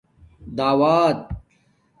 داوات